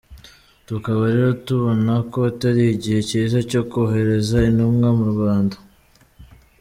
Tukaba rero tubona ko atari igihe cyiza cyo kohereza intumwa mu Rwanda.